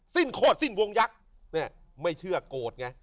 สิ้นโคตรสิ้นวงยักษ์ไม่เชื่อโกรธไง